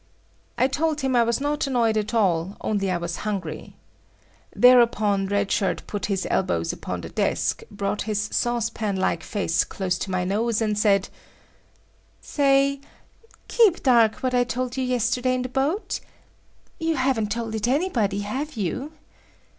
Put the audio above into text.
I told him I was not annoyed at all, only I was hungry. Thereupon Red Shirt put his elbows upon the desk, brought his sauce pan like face close to my nose, and said; "Say, keep dark what I told you yesterday in the boat. You haven't told it anybody, have you?"